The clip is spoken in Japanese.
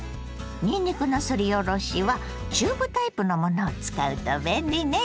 にんにくのすりおろしはチューブタイプのものを使うと便利ね。